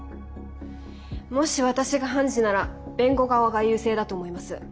もし私が判事なら弁護側が優勢だと思います。